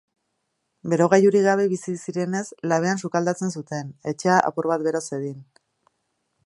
Berogailurik gabe bizi zirenez, labean sukaldatzen zuten, etxea apur bat bero zedin.